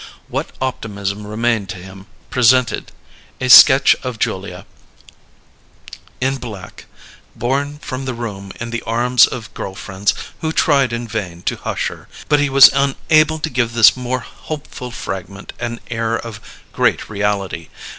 What optimism remained to him presented a sketch of Julia, in black, borne from the room in the arms of girl friends who tried in vain to hush her; but he was unable to give this more hopeful fragment an air of great reality.